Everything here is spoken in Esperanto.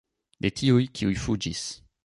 De tiuj, kiuj fuĝis.